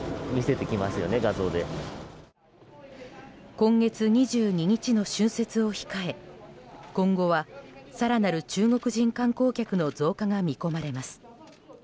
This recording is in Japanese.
今月２２日の春節を控え今後は、更なる中国人観光客の増加が見込まれます。